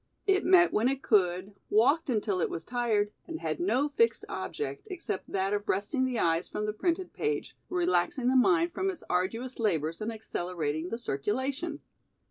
It met when it could, walked until it was tired and had no fixed object except that of resting the eyes from the printed page, relaxing the mind from its arduous labors and accelerating the circulation.